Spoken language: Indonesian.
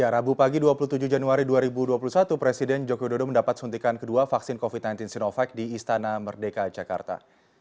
rabu pagi dua puluh tujuh januari dua ribu dua puluh satu presiden joko widodo mendapat suntikan kedua vaksin covid sembilan belas sinovac di istana merdeka jakarta